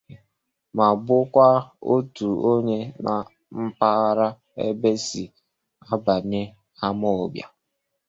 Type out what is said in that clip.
ma gbuokwa ótù onye na mpaghara ebee si abànye Amawbịa